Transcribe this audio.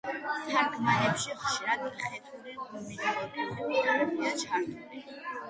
თარგმანებში ხშირად ხეთური მითოლოგიური ფორმებია ჩართული.